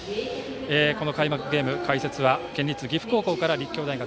この開幕ゲーム、解説は県立岐阜高校から立教大学